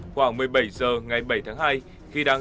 khoảng một mươi bảy h ngày bảy tháng hai